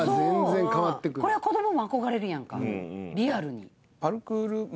これは子どもも憧れるやんかリアルに。